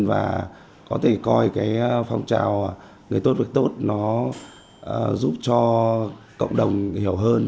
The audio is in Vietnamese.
và có thể coi phong trào người tốt việc tốt giúp cho cộng đồng hiểu hơn